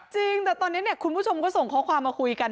จริงแต่ตอนนี้คุณผู้ชมก็ส่งข้อความมาคุยกัน